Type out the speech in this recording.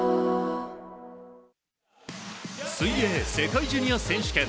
ＪＴ水泳世界ジュニア選手権。